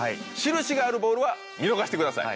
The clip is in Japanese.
印があるボールは見逃してください。